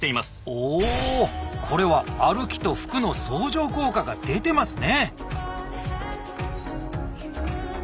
おこれは歩きと服の相乗効果が出てますね！